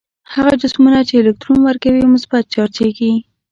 هغه جسمونه چې الکترون ورکوي مثبت چارجیږي.